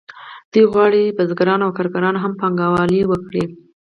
دوی غواړي بزګران او کارګران هم پانګوالي وکړي